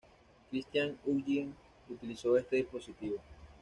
Christiaan Huygens utilizó este dispositivo.